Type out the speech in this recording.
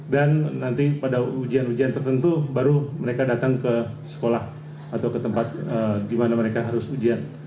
dan nanti pada ujian ujian tertentu baru mereka datang ke sekolah atau ke tempat di mana mereka harus ujian